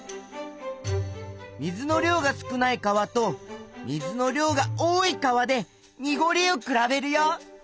水の量が少ない川と水の量が多い川でにごりをくらべるよ。